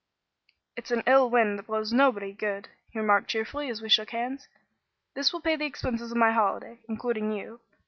"It's an ill wind that blows nobody good," he remarked cheerfully as we shook hands. "This will pay the expenses of my holiday, including you.